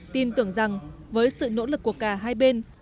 tin tưởng rằng với sự nỗ lực của cả hai bên